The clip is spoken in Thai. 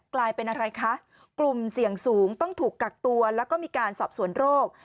กลายเป็นอะไรคะกลุ่มเสี่ยงสูงต้องถูกกักตัวแล้วก็มีการสอบสวนโรค